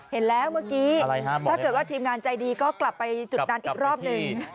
เห็นแล้วเมื่อกี้ถ้าเกิดว่าทีมงานใจดีก็กลับไปจุดนั้นอีกรอบหนึ่ง